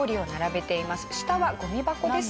下はゴミ箱です。